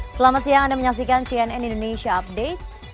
selamat siang anda menyaksikan cnn indonesia update